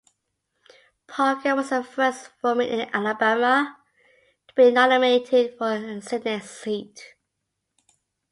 Parker was the first woman in Alabama to be nominated for a Senate seat.